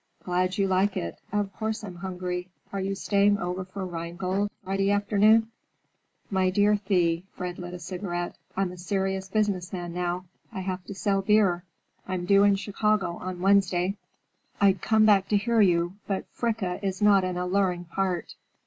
"Glad you like it. Of course I'm hungry. Are you staying over for 'Rheingold' Friday afternoon?" "My dear Thea,"—Fred lit a cigarette,—"I'm a serious business man now. I have to sell beer. I'm due in Chicago on Wednesday. I'd come back to hear you, but Fricka is not an alluring part."